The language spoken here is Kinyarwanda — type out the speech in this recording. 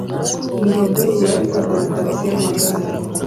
Umugabo wambaye ubururu atwarwa na tagisi yamagare